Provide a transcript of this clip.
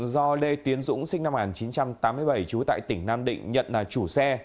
do lê tiến dũng sinh năm một nghìn chín trăm tám mươi bảy trú tại tỉnh nam định nhận là chủ xe